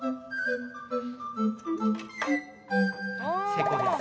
成功です。